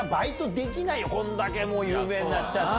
こんだけ有名になっちゃって。